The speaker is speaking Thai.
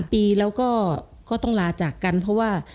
ปีแล้วก็ต้องลาจากกันเพราะว่า